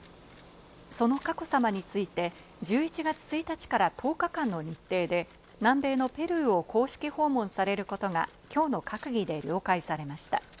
その佳子さまについて、１１月１日から１０日間の日程で、南米のペルーを公式訪問されることがきょうの閣議で了解されました。